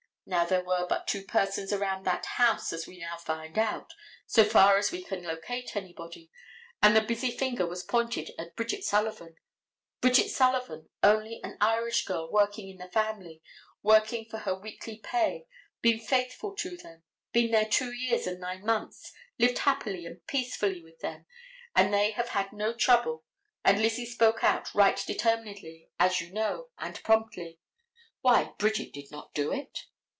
Now there were but two persons around that house as we now find out, so far as we can locate anybody, and the busy finger was pointed at Bridget Sullivan—Bridget Sullivan, only an Irish girl, working in the family, working for her weekly pay, been faithful to them, been there two years and nine months, lived happily and peacefully with them and they have had no trouble, and Lizzie spoke out right determinedly, as you know, and promptly: Why, Bridget did not do it.